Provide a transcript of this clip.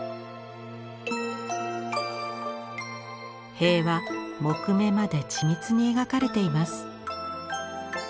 塀は木目まで緻密に描かれています。